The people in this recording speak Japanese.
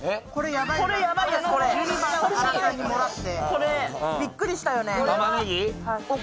これ、びっくりしたよね。